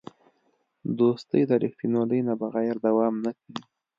دوستي د رښتینولۍ نه بغیر دوام نه کوي.